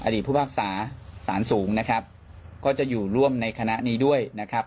อดีตผู้ภาคศาสน์สูงนะครับก็จะอยู่ร่วมในคณะนี้ด้วย